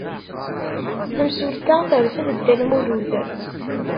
Tamsulta terfed Dda Lmulud.